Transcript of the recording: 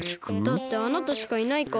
だってあなたしかいないから。